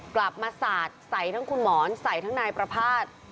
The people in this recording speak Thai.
กลับมาสาดใส่ทั้งคุณหมอนใส่ทั้งนายประภาษณ์